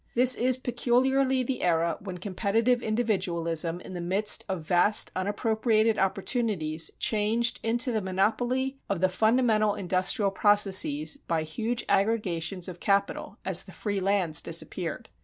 This is peculiarly the era when competitive individualism in the midst of vast unappropriated opportunities changed into the monopoly of the fundamental industrial processes by huge aggregations of capital as the free lands disappeared.